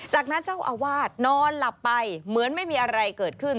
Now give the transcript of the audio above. จากนั้นเจ้าอาวาสนอนหลับไปเหมือนไม่มีอะไรเกิดขึ้น